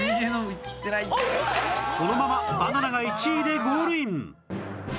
このままバナナが１位でゴールイン！